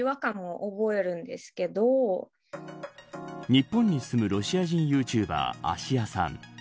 日本に住む、ロシア人ユーチューバー、あしやさん